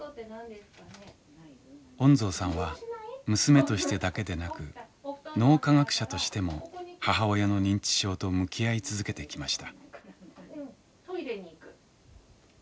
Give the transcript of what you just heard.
恩蔵さんは娘としてだけでなく脳科学者としても母親の認知症と向き合い続けてきました。